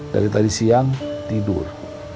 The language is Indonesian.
dari tadi siang tidur